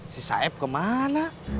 si saeb kemana